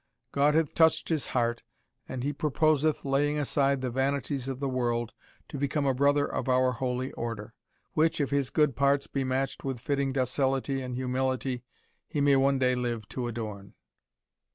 God hath touched his heart, and he proposeth laying aside the vanities of the world, to become a brother of our holy order; which, if his good parts be matched with fitting docility and humility, he may one day live to adorn."